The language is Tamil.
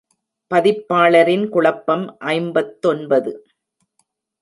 பதிப்பாளரின் குழப்பம் ஐம்பத்தொன்பது.